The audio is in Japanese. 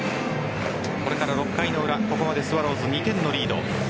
これから６回の裏ここまでスワローズ２点のリード。